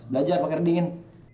belajar pake air dingin